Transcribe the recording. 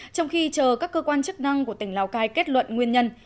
trong khi chờ các cơ quan chức năng của tỉnh lào cai kết luận nguyên nhân